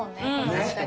確かに。